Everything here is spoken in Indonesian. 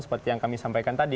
seperti yang kami sampaikan tadi